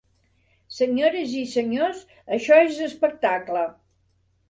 Senyores i senyors, això és espectacle!